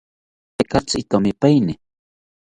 Tekatzi itomipaeni